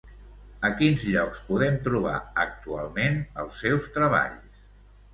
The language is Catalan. A quins llocs podem trobar actualment els seus treballs?